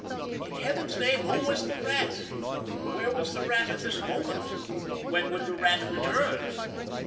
In Heaven's name, who was the Rat? Where was the Rat at this moment? When would the Rat return?